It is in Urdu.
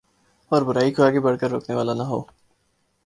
اور برائی کوآگے بڑھ کر روکنے والا نہ ہو